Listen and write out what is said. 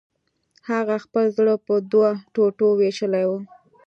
هغه خپل زړه په دوو ټوټو ویشلی و